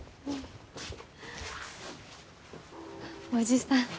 叔父さん。